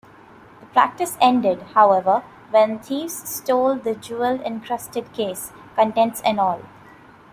The practice ended, however, when thieves stole the jewel-encrusted case, contents and all.